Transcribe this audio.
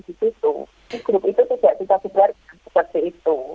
grup itu tidak bisa berlari seperti itu